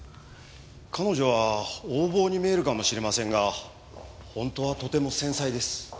彼女は横暴に見えるかもしれませんが本当はとても繊細です。